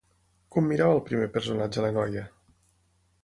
Com mirava el primer personatge a la noia?